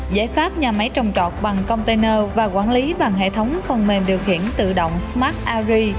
giải pháp nhà máy trồng trọt bằng container và quản lý bằng hệ thống phần mềm điều khiển tự động smart ary